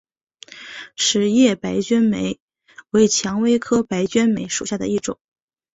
齿叶白鹃梅为蔷薇科白鹃梅属下的一个种。